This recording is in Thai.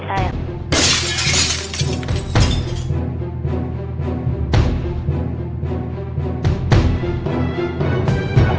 ใช่ครับ